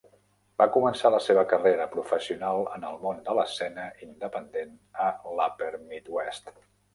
Va començar la seva carrera professional en el món de l'escena independent a l'Upper Midwest.